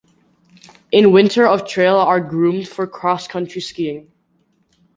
In winter of trail are groomed for cross-country skiing.